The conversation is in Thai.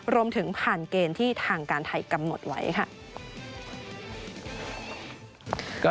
รวมถึงผ่านเกณฑ์ที่ทางการไทยกำหนดไว้ค่ะ